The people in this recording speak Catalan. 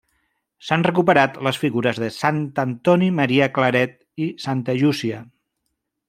S'han recuperat les figures de sant Antoni Maria Claret i santa Llúcia.